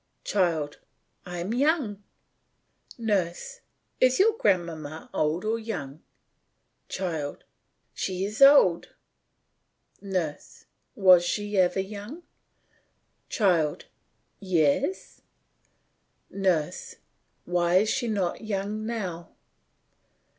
CHILD: I am young. NURSE: Is your grandmamma old or young? CHILD: She is old. NURSE: Was she ever young? CHILD: Yes. NURSE: Why is she not young now?